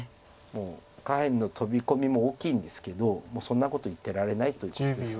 もう下辺のトビ込みも大きいんですけどそんなこと言ってられないということです